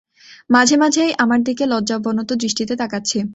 মাঝে মাঝেই আমার দিকে লজ্জাবনত দৃষ্টিতে তাকাচ্ছে।